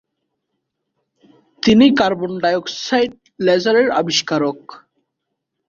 তিনি carbon dioxide laser এর আবিষ্কারক।